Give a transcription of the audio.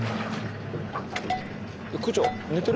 区長寝てる？